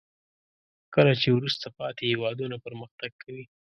کله چې وروسته پاتې هیوادونه پرمختګ کوي.